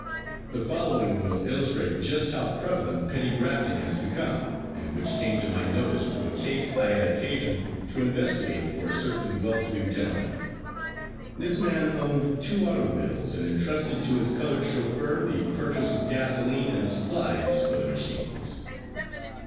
The following will illustrate just how prevalent petty grafting has become and which came to my notice through a case I had occasion to investigate for a certain well to do gentleman. This man owned two automobiles and entrusted to his colored chauffeur the purchase of gasoline and supplies for the machines.